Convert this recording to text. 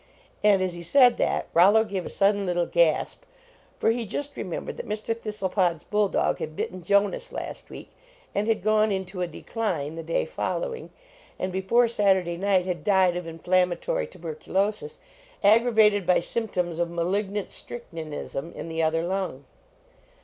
And as he said that, Rollo gave a sud den little gasp, for he just remembered that Mr. Thistlcpod s bull dog had bitten Jonas la t week, and had gone into a decline the 107 JONAS day following, and before Saturday night had died of inflammatory tuberculosis aggravated by symptoms of malignant strychninism in the other lung.